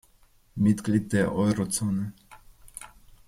Mitglied der Eurozone.